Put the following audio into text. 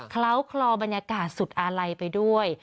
เล้าคลอบรรยากาศสุดอาลัยไปด้วย